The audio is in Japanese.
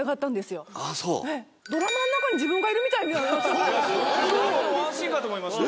ドラマのワンシーンかと思いました。